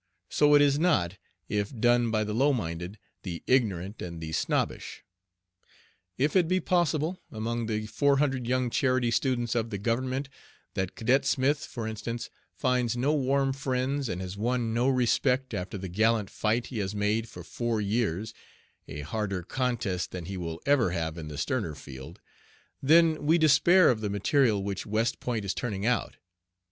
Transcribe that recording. So it is not, if done by the low minded, the ignorant, and the snobbish. If it be possible, among the four hundred young charity students of the Government, that Cadet Smith, for instance, finds no warm friends, and has won no respect after the gallant fight he has made for four years a harder contest than he will ever have in the sterner field then we despair of the material which West Point is turning out.